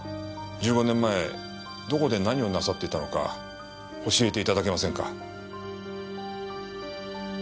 １５年前どこで何をなさっていたのか教えて頂けませんか？